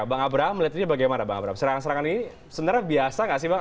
bang abraham melihat ini bagaimana bang abraham serangan serangan ini sebenarnya biasa nggak sih bang